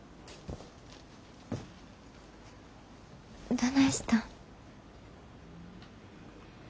どないしたん？